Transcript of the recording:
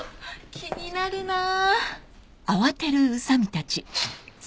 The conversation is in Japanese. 気になるなあ。